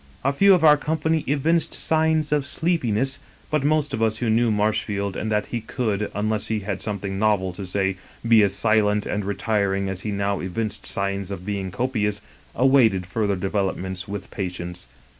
A few of our company evinced signs of sleepiness, but most of us who knew Marshfield, and that he could, un less he had something novel to say, be as silent and retiring as he now evinced signs of being copious, awaited further developments with patience.